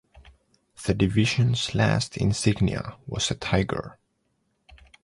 The Division's last insignia was a tiger.